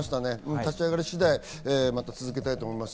立ち上がり次第、また続けたいと思います。